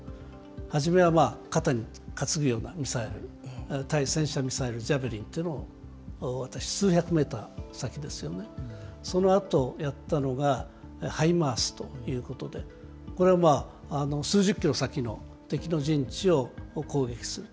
初めは肩に担ぐようなミサイル、対戦車ミサイル、ジャベリンっていうのを数百メートル先ですよね、そのあとやったのが、ハイマースということで、これは数十キロ先の敵の陣地を攻撃すると。